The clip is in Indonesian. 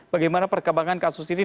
bagaimana perkembangan kasus ini